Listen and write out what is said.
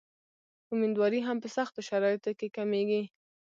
امیندواري هم په سختو شرایطو کې کمېږي.